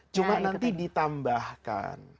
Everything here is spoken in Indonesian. cuma nanti ditambahkan